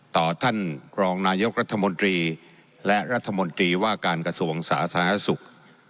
ท่านรองนายกรัฐมนตรีและรัฐมนตรีว่าการกระทรวงสาธารณสุข